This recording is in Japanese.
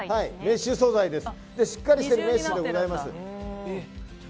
しっかりしているメッシュでございます。